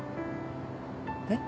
えっ？